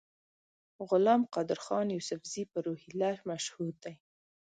غلام قادرخان یوسفزي په روهیله مشهور دی.